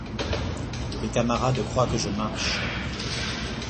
Les camarades croient que je marche.